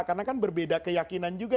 karena kan berbeda keyakinan juga